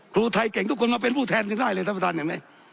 ครูไทยเก่งทุกคนก็เป็นผู้แทนพรุ่งนี้ได้เลย